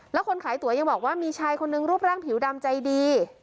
แล้วคนขายตัวยังบอกว่ามีชายคนนึงรูปร่างผิวดำใจดี